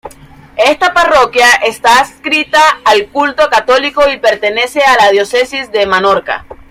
Esta parroquia está adscrita al culto católico y pertenece a la Diócesis de Menorca.